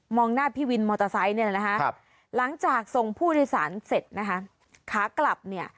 หน้าพี่วินมอเตอร์ไซค์เนี่ยนะคะหลังจากส่งผู้โดยสารเสร็จนะคะขากลับเนี่ย